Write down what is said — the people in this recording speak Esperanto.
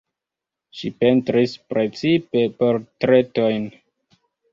Ŝi pentris precipe portretojn.